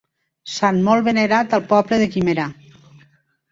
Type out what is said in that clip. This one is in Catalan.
Sant molt venerat al poble de Guimerà.